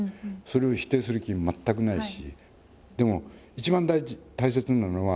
それを否定する気全くないし。